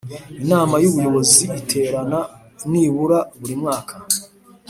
Inama y’ Ubuyobozi iterana nibura burimwaka.